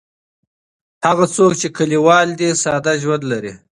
هغه څوک چې کلیوال دی ساده ژوند لري.